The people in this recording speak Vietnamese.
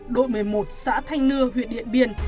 đội một mươi một xã thanh nưa huyện điện biên